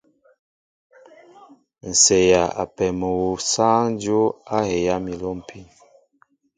Ǹ seeya ápē mol awu sááŋ dyóp a heyá mi a lômpin.